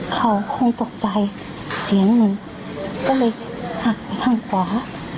เขาคงตกใจเสียงหนึ่งก็เลยหักข้างขวา